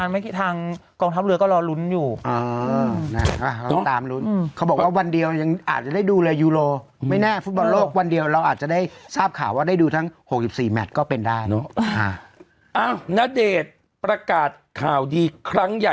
ไม่มีลุ้นอยู่รอลุ้นเหมือนกัน